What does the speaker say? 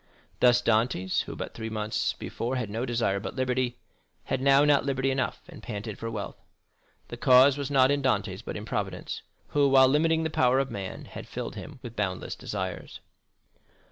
Thus Dantès, who but three months before had no desire but liberty had now not liberty enough, and panted for wealth. The cause was not in Dantès, but in Providence, who, while limiting the power of man, has filled him with boundless desires.